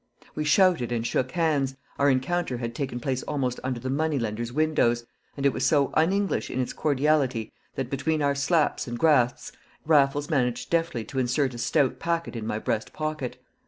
We shouted and shook hands; our encounter had taken place almost under the money lender's windows, and it was so un English in its cordiality that between our slaps and grasps Raffles managed deftly to insert a stout packet in my breast pocket.